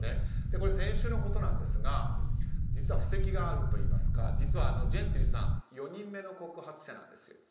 先週のことなんですが実は布石があるといいますか実はジェンティルさん４人目の告発者なんです。